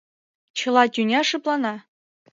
Чыла тӱня шыплана.